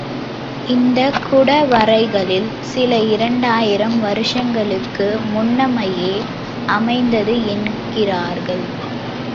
இந்தக் குடவரைகளில் சில இரண்டாயிரம் வருஷங்களுக்கு முன்னமையே அமைந்தது என்கிறார்கள்.